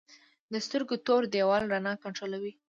د سترګو تور دیوال رڼا کنټرولوي